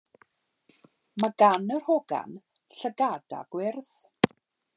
Mae gan yr hogan llgada gwyrdd.